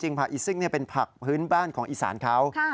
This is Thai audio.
ผักอีซิ่งเป็นผักพื้นบ้านของอีสานเขา